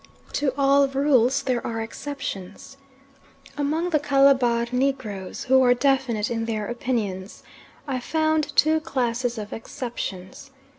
To all rules there are exceptions. Among the Calabar negroes, who are definite in their opinions, I found two classes of exceptions.